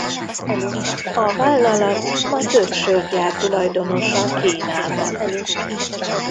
A vállalat ma több sörgyár tulajdonosa Kínában.